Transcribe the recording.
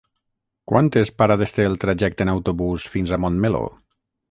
Quantes parades té el trajecte en autobús fins a Montmeló?